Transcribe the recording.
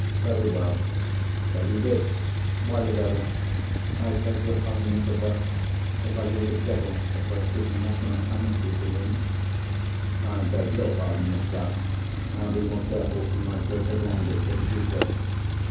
Very well. Say he did. Why the devil——" "I beg your pardon, Mr. Bruff. If I hear the devil referred to in that manner, I must leave the room." "I beg your pardon, Miss Clack—I'll be more careful in my choice of language for the future.